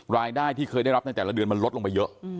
รายได้ที่เคยได้รับในแต่ละเดือนมันลดลงไปเยอะ